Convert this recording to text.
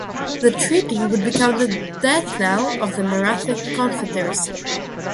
The treaty would become the death knell of the Maratha Confederacy.